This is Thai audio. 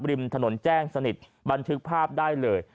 ริมถนนแจ้งสนิทบันทึกภาพได้เลย